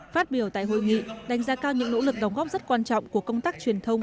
phát biểu tại hội nghị đánh giá cao những nỗ lực đóng góp rất quan trọng của công tác truyền thông